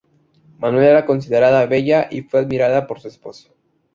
Manuela era considerada bella y fue admirada por su esposo.